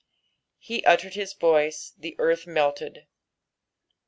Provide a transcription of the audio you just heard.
"2b vlterrd hi* veiee, the earth melted."